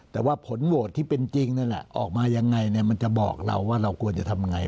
แต่ว่าผลโหวตที่เป็นจริงนั่นแหละออกมายังไงมันจะบอกเราว่าเราควรจะทำยังไง